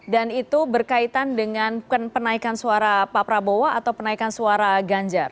dan itu berkaitan dengan kenaikan suara pak prabowo atau kenaikan suara anis